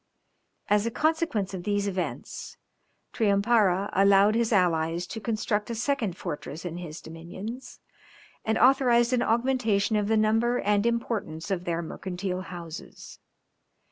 As a consequence of these events, Triumpara allowed his allies to construct a second fortress in his dominions, and authorised an augmentation of the number and importance of their mercantile houses.